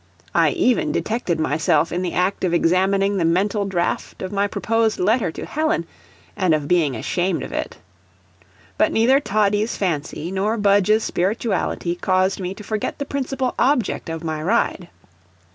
I even detected myself in the act of examining the mental draft of my proposed letter to Helen, and of being ashamed of it. But neither Toddie's fancy nor Budge's spirituality caused me to forget the principal object of my ride.